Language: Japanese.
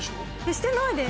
してないです。